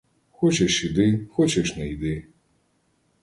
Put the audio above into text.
Хочеш іди, хочеш не йди.